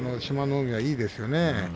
海はいいですよね。